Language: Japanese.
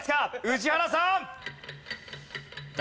宇治原さん！